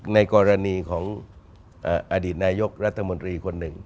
ในกรณีของอดีตนายกรัฐมนตรีคนหนึ่ง